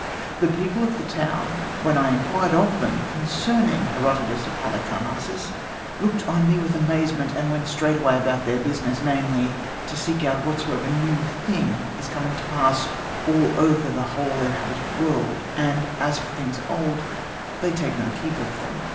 The people of the town, when I inquired of them concerning Herodotus of Halicarnassus, looked on me with amazement, and went straightway about their business, namely, to seek out whatsoever new thing is coming to pass all over the whole inhabited world, and as for things old, they take no keep of them.